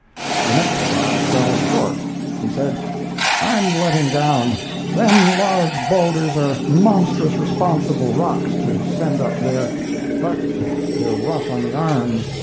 The next shot fell short. He said, "I'm letting down; them large boulders are monstrous responsible rocks to send up there, but they're rough on the arms."